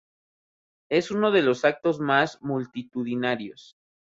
Es uno de los actos más multitudinarios.